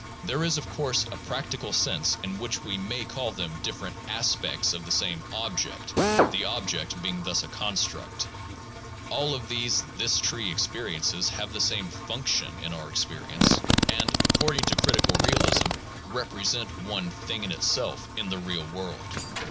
There is of course a practical sense in which we may call them different "aspects" of the same "object," the "object" being thus a construct. All of these "this tree" experi ences have the same function in our experience, and according to 370 THE JOURNAL OF PHILOSOPHY critical realism represent one thing in itself in the real world.